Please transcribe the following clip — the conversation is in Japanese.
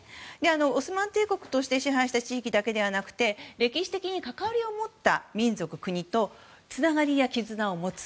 オスマン帝国として支配した地域だけじゃなくて歴史的に関わりを持った民族、国とつながりや絆を持つ。